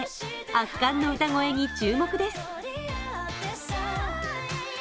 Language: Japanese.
圧巻の歌声に注目です。